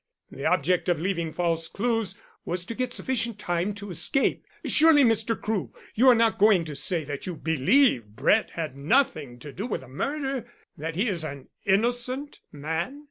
The object of leaving false clues was to get sufficient time to escape. Surely, Mr. Crewe, you are not going to say that you believe Brett had nothing to do with the murder that he is an innocent man?"